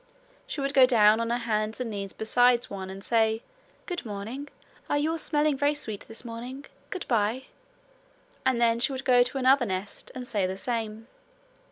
She would go down on her hands and knees beside one and say: 'Good morning! Are you all smelling very sweet this morning? Good bye!' and then she would go to another nest, and say the same.